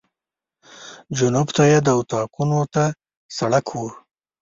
جنوب ته یې د اطاقونو ته سړک و.